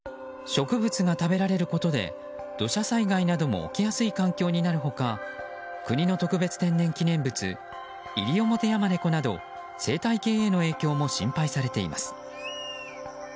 植物が食べられることで土砂災害なども起きやすい環境になる他国の特別天然記念物イリオモテヤマネコなど生態系への影響も心配されています。